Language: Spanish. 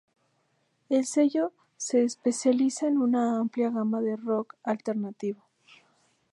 El sello se especializa en una amplia gama de rock alternativo.